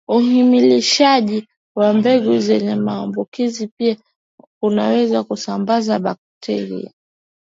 Uhimilishaji wa mbegu zenye maambukizi pia kunaweza kusambaza bakteria